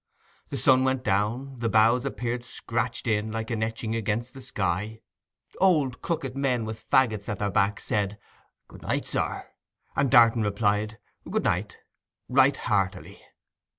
The sun went down; the boughs appeared scratched in like an etching against the sky; old crooked men with faggots at their backs said 'Good night, sir,' and Darton replied 'Good night' right heartily.